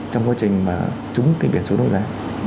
trong quá trình mà trúng cái biển số đấu giá